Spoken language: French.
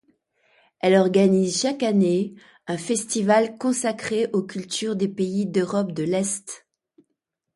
Elle organise chaque année un festival consacré aux cultures des pays d'Europe de l'Est.